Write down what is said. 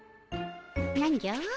何じゃ？